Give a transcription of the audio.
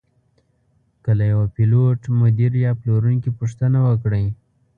که له یوه پیلوټ، مدیر یا پلورونکي پوښتنه وکړئ.